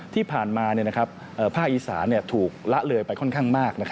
ที่ผ่านมาภาคอีสานถูกละเลยไปค่อนข้างมาก